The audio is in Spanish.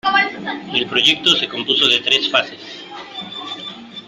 El proyecto se compuso de tres fases.